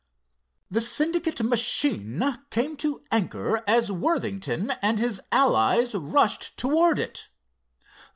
The Syndicate machine came to anchor as Worthington and his allies rushed toward it.